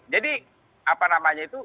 jadi apa namanya itu